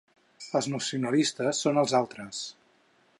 Els nacionalistes són els altres.